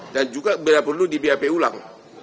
dan juga benar benar perlu di bap ulang